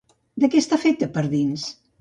De què està feta per dins?